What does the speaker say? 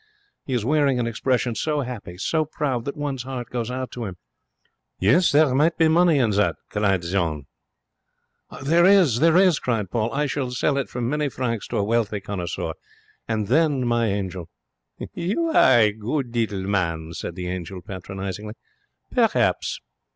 He is wearing an expression so happy, so proud, that one's heart goes out to him.' 'Yes, there might be money in that,' cried Jeanne. 'There is, there is!' cried Paul. 'I shall sell it for many francs to a wealthy connoisseur. And then, my angel ' 'You are a good little man,' said the angel, patronizingly. 'Perhaps.